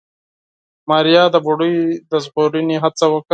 ماريا د بوډۍ د ژغورنې هڅه وکړه.